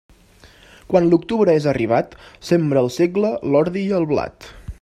Quan l'octubre és arribat, sembra el segle, l'ordi i el blat.